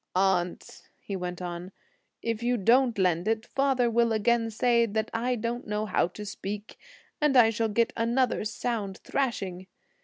"Aunt," he went on, "if you don't lend it, father will again say that I don't know how to speak, and I shall get another sound thrashing.